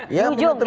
di ujung kira kira